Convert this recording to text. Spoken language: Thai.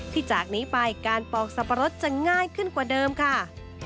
จากนี้ไปการปอกสับปะรดจะง่ายขึ้นกว่าเดิมค่ะ